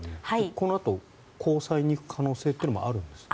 このあと高裁に行く可能性もあるんですか？